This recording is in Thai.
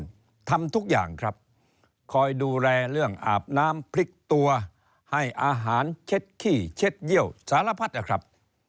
ทำทุกอย่างครับคอยดูแลเรื่องอาบน้ำพริกตัวให้อาหารเช็ดขี้เช็ดเยี่ยวสารพัดนะครับ